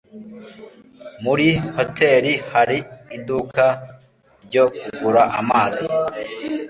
Muri hoteri hari iduka ryo kugura amazi?